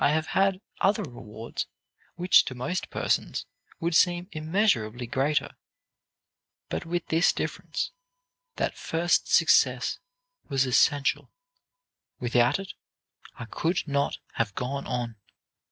I have had other rewards, which, to most persons, would seem immeasurably greater, but with this difference: that first success was essential; without it I could not have gone on.